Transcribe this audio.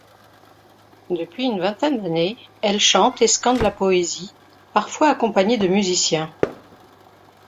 Depuis une vingtaine d’années, elle chante et scande la poésie parfois accompagnée de musiciens.